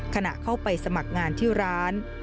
ขณะเข้าไปสมัครงานที่ร้าน